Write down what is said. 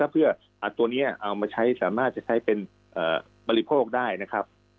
เพื่อตัวนี้เอามาใช้สามารถจะใช้เป็นบริโภคได้นะครับ